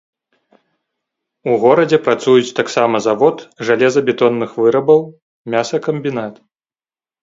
У горадзе працуюць таксама завод жалезабетонных вырабаў, мясакамбінат.